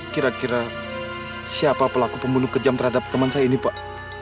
kira kira siapa pelaku pembunuh kejam terhadap teman saya ini pak